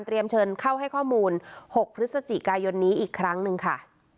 เชิญเข้าให้ข้อมูล๖พฤศจิกายนนี้อีกครั้งหนึ่งค่ะ